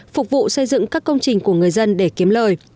phục vụ xây dựng các công trình của người dân để kiếm lời